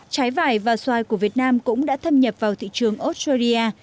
trái vải và xoài của việt nam cũng đã thâm nhập vào thị trường australia